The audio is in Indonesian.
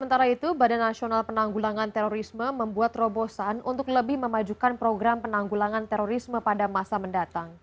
sementara itu badan nasional penanggulangan terorisme membuat terobosan untuk lebih memajukan program penanggulangan terorisme pada masa mendatang